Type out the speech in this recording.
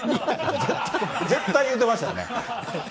絶対言うてましたよね。